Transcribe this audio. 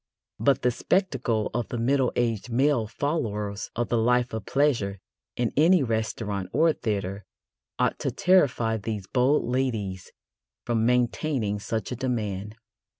But the spectacle of the middle aged male followers of the life of pleasure in any restaurant or theatre ought to terrify these bold ladies from maintaining such a demand.